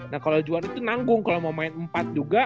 nah kalo juan itu nanggung kalo mau main empat juga